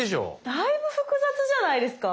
だいぶ複雑じゃないですか？